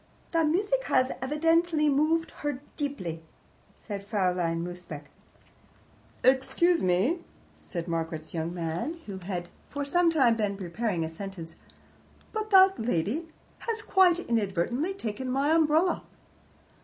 "The music has evidently moved her deeply," said Fraulein Mosebach. "Excuse me," said Margaret's young man, who had for some time been preparing a sentence, "but that lady has, quite inadvertently, taken my umbrella."